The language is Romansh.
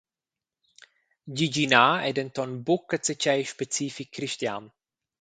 Giginar ei denton buca zatgei specific cristian.